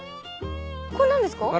これなんですか？